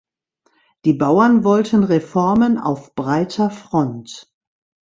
Die Bauern wollten Reformen auf breiter Front.